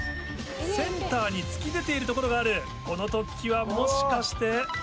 センターに突き出ている所があるこの突起はもしかして？